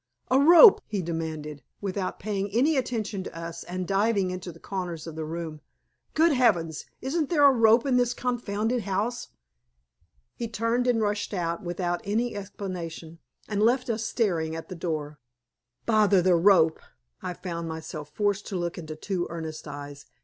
"A rope!" he demanded, without paying any attention to us and diving into corners of the room. "Good heavens, isn't there a rope in this confounded house!" He turned and rushed out, without any explanation, and left us staring at the door. "Bother the rope!" I found myself forced to look into two earnest eyes.